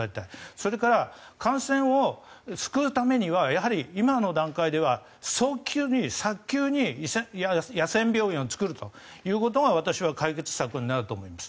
それから感染を救うためにはやはり今の段階では早急に野戦病院を作るということが私は解決策になると思います。